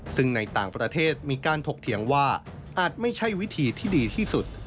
ซึ่งในต่างประเทศมีการถกเถียงว่าอาจไม่ใช่วิธีที่ดีที่สุด